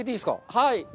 はい。